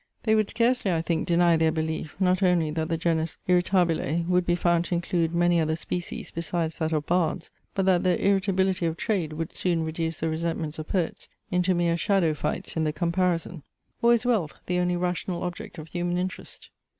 They would scarcely, I think, deny their belief, not only that the genus irritabile would be found to include many other species besides that of bards; but that the irritability of trade would soon reduce the resentments of poets into mere shadow fights in the comparison. Or is wealth the only rational object of human interest?